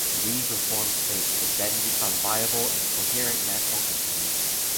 These reformed states would then become viable and coherent national entities.